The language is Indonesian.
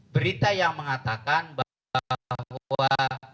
berita yang mengatakan bahwa